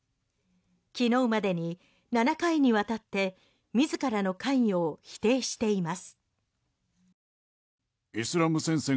昨日までに７回にわたって自らの関与を否定しています。